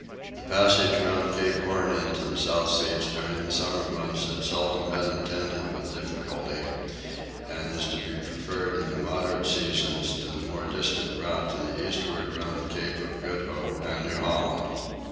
The passage round Cape Horn into the South Seas during the summer months has seldom been attended with difficulty and is to be preferred in the moderate seasons to the more distant route to the eastward round the Cape of Good Hope and New Holland.